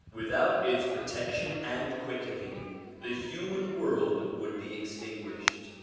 Without its protection and quickening the human world would be extinguished.